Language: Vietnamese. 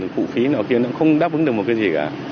phụ phí nào kia nó cũng không đáp ứng được một cái gì cả